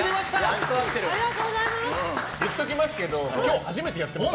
言っておきますけど今日初めてやってます。